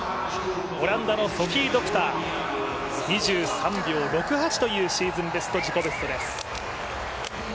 オランダのソフィ・ドクター、２３秒６８というシーズンベスト、自己ベストです。